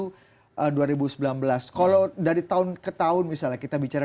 kalau dari tahun ke tahun misalnya kita bicara dari setiap pemilu ke pemilu dari pilkada ke pemilu